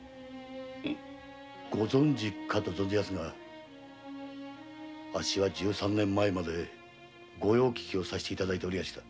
ご存知かと存じますがあっしは十三年前まで「御用聞き」をさせていただいておりました。